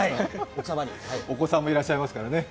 お子さんもいらっしゃいますからね。